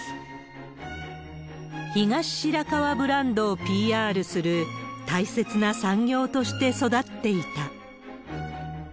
東白川ブランドをＰＲする大切な産業として育っていた。